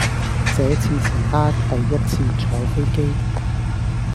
這次是她第一次坐飛機。